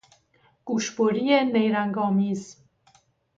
گوشبری نیرنگ آمیز